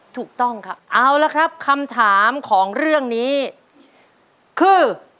ถูกต้องครับเอาละครับคำถามของเรื่องนี้คือ